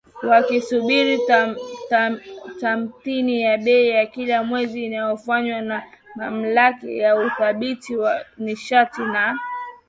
wakisubiri tathmini ya bei kila mwezi inayofanywa na Mamlaka ya Udhibiti wa Nishati na